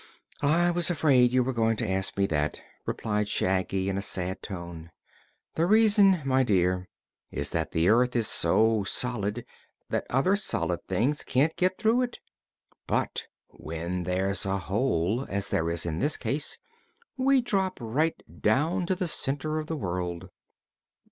"I was afraid you were going to ask me that," replied Shaggy in a sad tone. "The reason, my dear, is that the earth is so solid that other solid things can't get through it. But when there's a hole, as there is in this case, we drop right down to the center of the world."